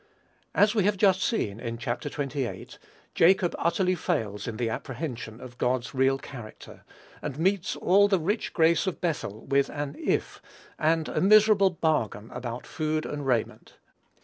As we have just seen, in Chap. xxviii., Jacob utterly fails in the apprehension of God's real character, and meets all the rich grace of Bethel with an "if," and a miserable bargain about food and raiment.